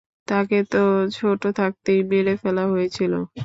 তাকে তো ছোট থাকতেই মেরে ফেলা হয়েছিল।